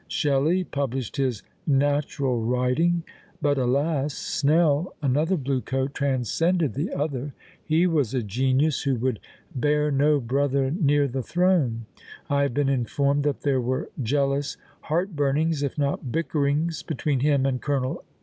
Shelley published his "Natural Writing;" but, alas! Snell, another blue coat, transcended the other. He was a genius who would "bear no brother near the throne." "I have been informed that there were jealous heart burnings, if not bickerings, between him and Col.